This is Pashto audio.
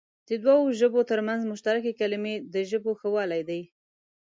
د دوو ژبو تر منځ مشترکې کلمې د ژبو ښهوالی دئ.